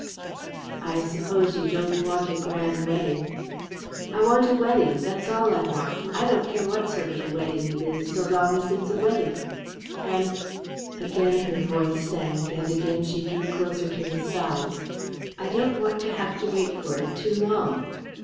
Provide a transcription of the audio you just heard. "I suppose you don't want a grand wedding." "I want a wedding, that's all I want. I don't care what sort of a wedding it is so long as it's a wedding. And" again her voice sank, and again she drew closer to his side "I don't want to have to wait for it too long."